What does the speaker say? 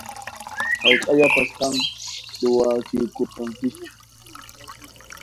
Hayk'aqllapas qan suwachikurqankichu?